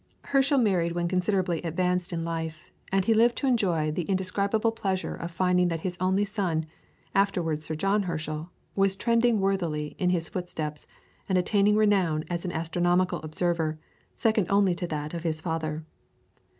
] Herschel married when considerably advanced in life and he lived to enjoy the indescribable pleasure of finding that his only son, afterwards Sir John Herschel, was treading worthily in his footsteps, and attaining renown as an astronomical observer, second only to that of his father.